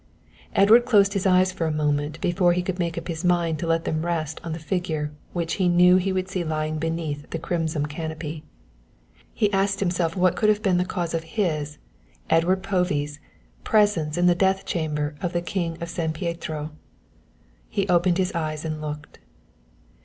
Edward closed his eyes for a moment before he could make up his mind to let them rest on the figure which he knew he would see lying beneath the crimson canopy. He asked himself what could have been the cause of his, Edward Povey's, presence in the death chamber of the king of San Pietro. Then he opened his eyes and looked.